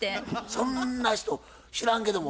そんな人知らんけども。